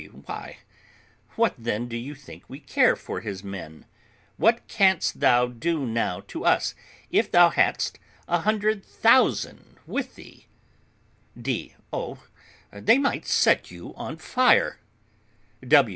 W. Why, what then do you think we care for his men? What canst thou do now to us, if thou hadst a hundred thousand with thee? D. Oh! they might set you on fire.